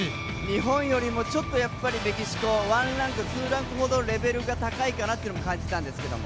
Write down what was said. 日本よりもメキシコ１ランク２ランクほどレベルが高いかなというのも感じたんですけども。